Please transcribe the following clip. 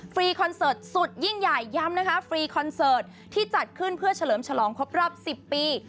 คอนเสิร์ตสุดยิ่งใหญ่ย้ำนะคะฟรีคอนเสิร์ตที่จัดขึ้นเพื่อเฉลิมฉลองครบรอบ๑๐ปี